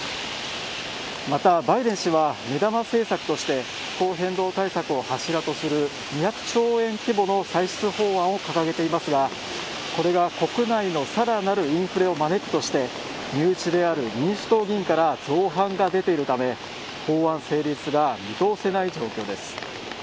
また、バイデン氏は目玉政策として気候変動対策を柱とする２００兆円規模の歳出法案を掲げていますが、これが国内のさらなるインフレを招くとして、身内である民主党議員から造反が出ているため法案成立が見通せない状況です。